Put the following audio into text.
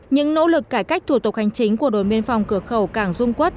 những nỗ lực cải cách thủ tục hành chính của đồn biên phòng cửa khẩu cảng dung quốc